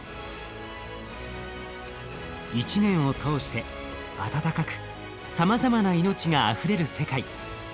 一年を通して暖かくさまざまな命があふれる世界。